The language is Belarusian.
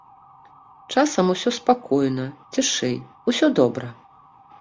Часам усё спакойна, цішэй, усё добра.